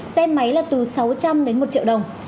xe máy là từ sáu trăm linh đến một triệu đồng